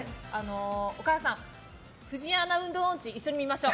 お母さん、フジアナ運動音痴一緒に見ましょう。